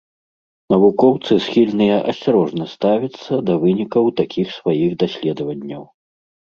Навукоўцы схільныя асцярожна ставіцца да вынікаў такіх сваіх даследаванняў.